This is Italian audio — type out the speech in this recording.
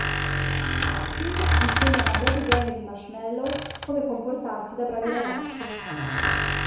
Finn insegna a una baby gang di marshmallow come comportarsi da bravi ragazzi.